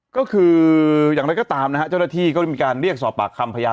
ก็คืออย่างไรก็ตามนะฮะเจ้าหน้าที่ก็ได้มีการเรียกสอบปากคำพยาน